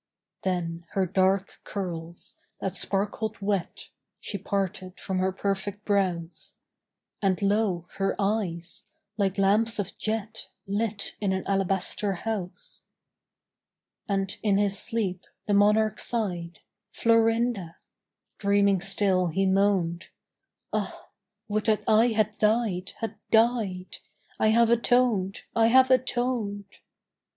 Then her dark curls, that sparkled wet, She parted from her perfect brows, And, lo, her eyes, like lamps of jet Lit in an alabaster house. And in his sleep the monarch sighed, "Florinda!" Dreaming still he moaned, "Ah, would that I had died, had died! I have atoned! I have atoned!"...